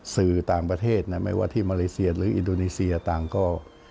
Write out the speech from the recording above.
สื่อต่างประเทศไม่ว่าที่มาเลเซียหรืออินโดนีเซียต่างก็